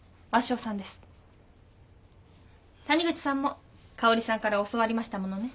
谷口さんも佳織さんから教わりましたものね。